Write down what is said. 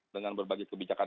dengan berbagai kebijakan